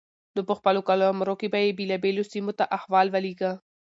نو په خپل قلمرو کې به يې بېلابېلو سيمو ته احوال ولېږه